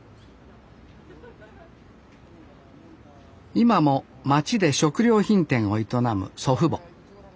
今も町で食料品店を営む祖父母。